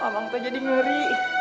mamang tuh jadi ngeri